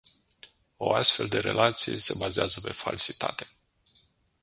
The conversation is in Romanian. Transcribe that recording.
O astfel de relație se bazează pe falsitate.